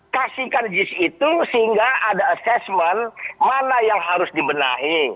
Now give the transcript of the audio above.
kasihkan jis itu sehingga ada assessment mana yang harus dibenahi